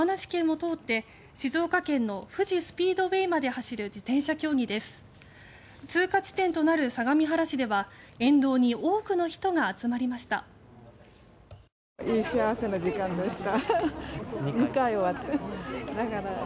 通過地点となる相模原市では沿道に多くの人が集まりました。